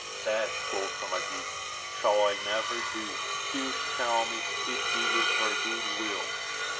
That, quoth Amadis, shall I never do, till she tell me it be with her good will.